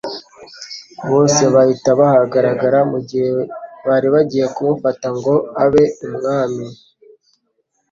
bose bahita bahagarara mu gihe bari bagiye kumufata ngo abe Umwami,